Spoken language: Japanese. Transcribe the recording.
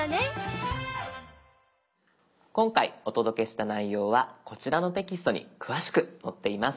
今回お届けした内容はこちらのテキストに詳しく載っています。